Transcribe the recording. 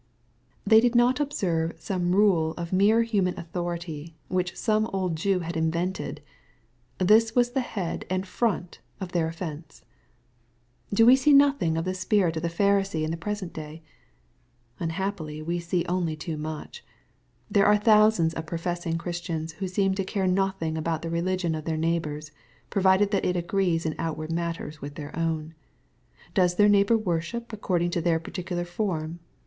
They did not observe some rule of mere human authority, which some old Jew had invented I This was the head and front of their offence ! Do we see nothing of the spirit of the Pharisees in the present day ? Unhappily we see only too much. There are thousands of professing Christians, who seem to care nothing about the religion of their neighbors, provided that it agrees in outward matters with their own. Does their neighbor worship according to their particular form